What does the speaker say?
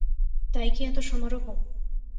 তাই কি এত সমারোহ?